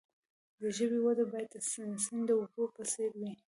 د ژبې وده باید د سیند د اوبو په څیر وي.